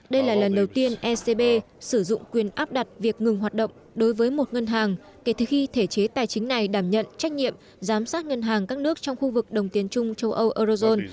đây là lần đầu tiên ecb sử dụng quyền áp đặt việc ngừng hoạt động đối với một ngân hàng kể từ khi thể chế tài chính này đảm nhận trách nhiệm giám sát ngân hàng các nước trong khu vực đồng tiền trung châu âu eurozone